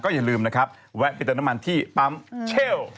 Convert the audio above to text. ก็อย่าลืมนะฮะแวะไปเติมน้ำมันที่ปั้มเชี่ยว